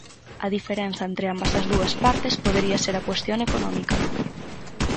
A diferenza entre ambas as dúas partes podería ser a cuestión económica.